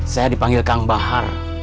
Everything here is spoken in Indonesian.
saya dipanggil kang bahar